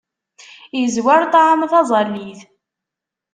Izwar ṭṭɛam taẓallit.